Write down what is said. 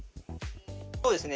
そうですね。